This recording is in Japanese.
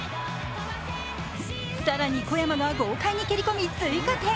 更に小山が豪快に蹴り込み追加点。